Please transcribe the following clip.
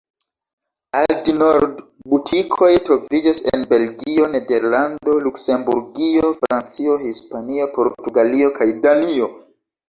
Aldi-Nord butikoj troviĝas en Belgio, Nederlando, Luksemburgio, Francio, Hispanio, Portugalio kaj Danio.